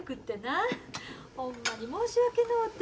ほんまに申し訳のうて。